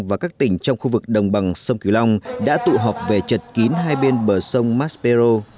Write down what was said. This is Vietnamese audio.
và các tỉnh trong khu vực đồng bằng sông kiều long đã tụ họp về chật kín hai bên bờ sông maspero